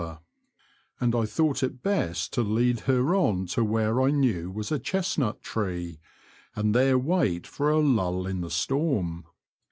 87 lather, and I thought it best to lead her on to where I knew was a chestnut tree, and there wait for a lull in the storm.